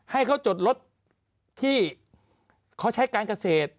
ให้เขาจดรถที่เขาใช้การเกษตร